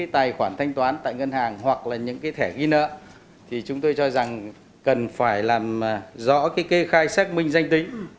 tôi cho rằng cần phải làm rõ cái kê khai xác minh danh tính